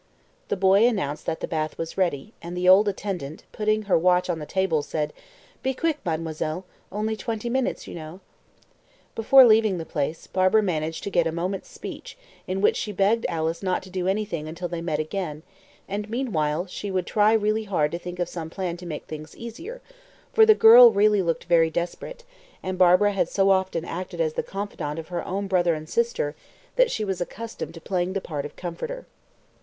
The boy announced that the bath was ready, and the old attendant, putting her watch on the table, said "Be quick, mademoiselle. Only twenty minutes, you know." Before leaving the place, Barbara managed to get a moment's speech, in which she begged Alice not to do anything until they met again, and meanwhile she would try hard to think of some plan to make things easier; for the girl really looked very desperate, and Barbara had so often acted as the confidante of her own brother and sister that she was accustomed to playing the part of comforter.